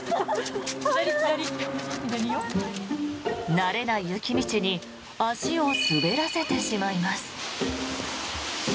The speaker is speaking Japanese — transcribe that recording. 慣れない雪道に足を滑らせてしまいます。